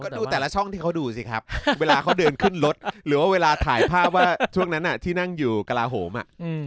ดูแต่ละช่องที่เขาดูสิครับเวลาเขาเดินขึ้นรถหรือว่าเวลาถ่ายภาพว่าช่วงนั้นที่นั่งอยู่กระลาโหม